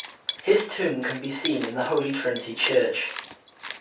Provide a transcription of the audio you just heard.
His tomb can be seen in Holy Trinity Church.